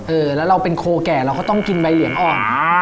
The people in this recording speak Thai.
เออแล้วเราเป็นโคแก่เราก็ต้องกินใบเหลียงอ่อน